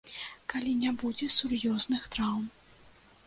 Калі не будзе сур'ёзных траўм.